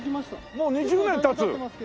もう２０年経つ！？